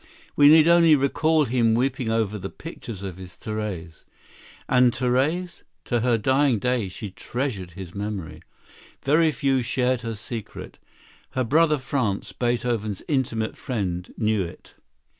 We need only recall him weeping over the picture of his Therese. And Therese? To her dying day she treasured his memory. Very few shared her secret. Her brother Franz, Beethoven's intimate friend, knew it.